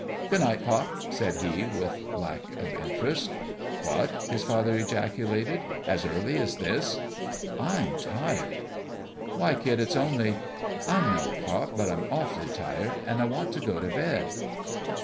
" Good night, pop," said he, with lack interest. " What !" his father ejaculated. " As early as this ?"" I'm tired." " Why, kid, it's only "" I know, pop, but I'm awful tired, and I want to go to bed."